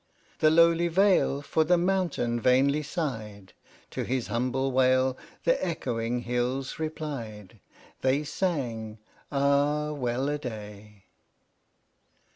The lowly vale For the mountain vainly sighed; To his humble wail The echoing hills replied, They sang, "Ah, Well a day!"